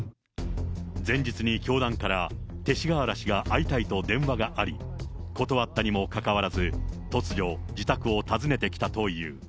前日に教団から勅使河原氏が会いたいと電話があり、断ったにもかかわらず、突如、自宅を訪ねてきたという。